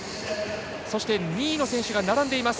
２位の選手が並んでいます。